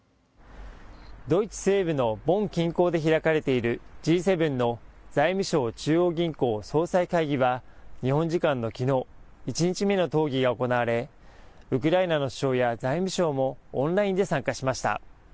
ドイツ西部のボン近郊で開かれているＧ７の財務相・中央銀行総裁会議は日本時間のきのう１日目の討議が行われウクライナの首相や財務相もオンラインで参加しました。